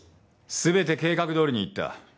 すべて計画どおりにいった。